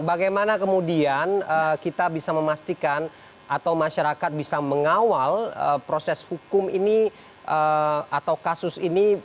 bagaimana kemudian kita bisa memastikan atau masyarakat bisa mengawal proses hukum ini atau kasus ini